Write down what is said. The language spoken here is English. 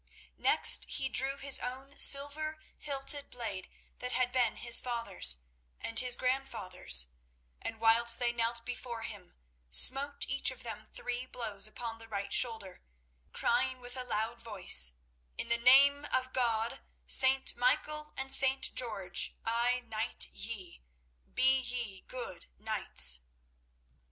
Next, he drew his own silver hilted blade that had been his father's and his grandfather's, and whilst they knelt before him, smote each of them three blows upon the right shoulder, crying with a loud voice: "In the name of God, St. Michael, and St. George, I knight ye. Be ye good knights."